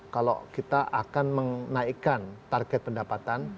kalau kita akan menaikkan target pendapatan